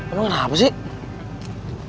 udah kenapa sih